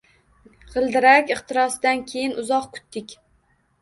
G‘ildirak ixtirosidan keyin uzoq kutdik.